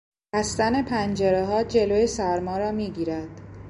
بستن پنجرهها جلو سرما را میگیرد.